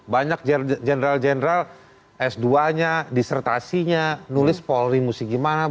banyak jenderal jenderal s dua nya disertasinya nulis polri musik gimana